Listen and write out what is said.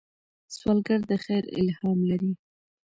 سوالګر د خیر الهام لري